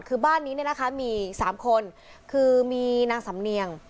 คือบ้านนี้เนี่ยนะคะมี๓คนคือมีนางสำเนียง